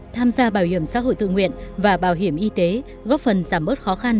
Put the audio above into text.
tham gia bảo hiểm xã hội tự nguyện và bảo hiểm y tế góp phần giảm bớt khó khăn